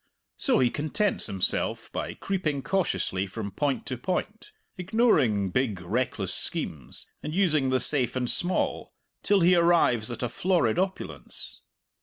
So he contents himself by creeping cautiously from point to point, ignoring big, reckless schemes and using the safe and small, till he arrives at a florid opulence.